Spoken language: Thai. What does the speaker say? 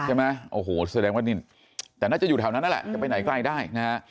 ใช่ไหมโอ้โหแสดงว่านี่แต่น่าจะอยู่แถวนั้นนั่นแหละจะไปไหนไกลได้นะฮะ